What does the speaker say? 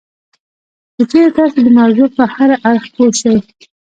که چېرې تاسې د موضوع په هر اړخ پوه شئ